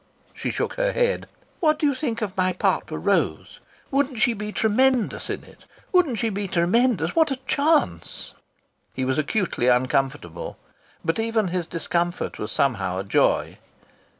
She shook her head. "What do you think of my part for Rose? Wouldn't she be tremendous in it? Wouldn't she be tremendous?... What a chance!" He was acutely uncomfortable, but even his discomfort was somehow a joy.